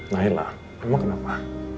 nailah emang kenapa